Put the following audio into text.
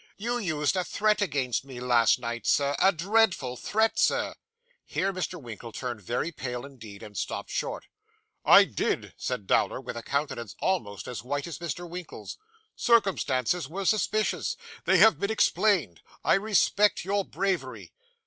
You used a threat against me last night, Sir, a dreadful threat, Sir.' Here Mr. Winkle turned very pale indeed, and stopped short. 'I did,' said Dowler, with a countenance almost as white as Mr. Winkle's. 'Circumstances were suspicious. They have been explained. I respect your bravery.